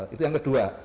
itu yang kedua